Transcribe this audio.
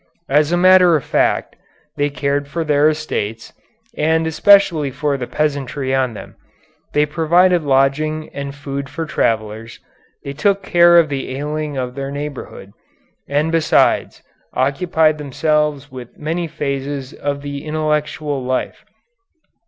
As a matter of fact, they cared for their estates, and especially for the peasantry on them, they provided lodging and food for travellers, they took care of the ailing of their neighborhood, and, besides, occupied themselves with many phases of the intellectual life.